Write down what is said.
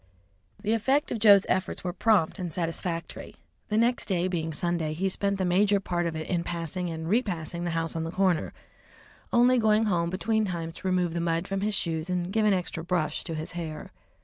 The effect of Joe's efforts were prompt and satisfactory. The next day being Sunday, he spent the major part of it in passing and repassing the house on the corner, only going home between times to remove the mud from his shoes and give an extra brush to his hair.